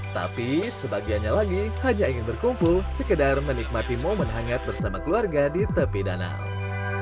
tapi sebagiannya lagi hanya ingin berkumpul sekedar menikmati momen hangat bersama keluarga di tepi danau